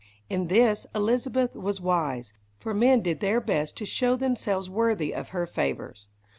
In this Elizabeth was wise, for men did their best to show themselves worthy of her favours.